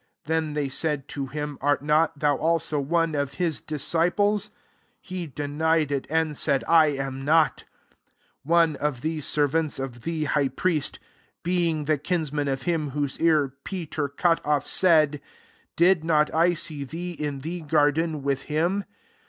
Then they said to him, " Art not thou also one of his disciples ?" He denied iV, and said, " I am not." 26 One of the servants of the high priest, being the kinsman )fhini whose ear Peter cut off, iaid, '* Did not I see thee in the garden with him